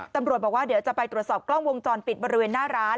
ตำรวจบอกว่าเดี๋ยวจะไปตรวจสอบกล้องวงจรปิดบริเวณหน้าร้าน